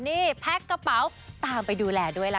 นี่แพ็คกระเป๋าตามไปดูแลด้วยล่ะค่ะ